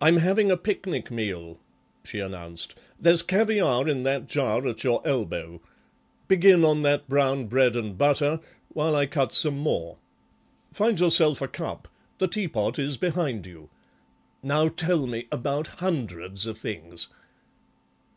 "I'm having a picnic meal," she announced. "There's caviare in that jar at your elbow. Begin on that brown bread and butter while I cut some more. Find yourself a cup; the teapot is behind you. Now tell me about hundreds of things."